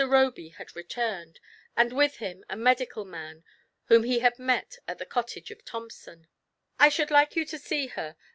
Roby had returned, and with him a medical man whom he had met at the cottage of Thompsoa '* I should like you to see her.